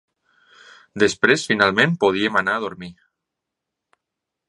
Després finalment podíem anar a dormir.